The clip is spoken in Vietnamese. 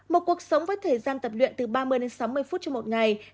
một cuộc sống với thời gian tập luyện từ ba mươi đến sáu mươi phút trong một ngày